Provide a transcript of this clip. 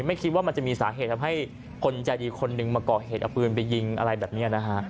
ไม่คิดว่ามันจะมีสาเหตุทำให้คนใจดีคนหนึ่งมาก่อเหตุเอาปืนไปยิงอะไรแบบนี้นะฮะ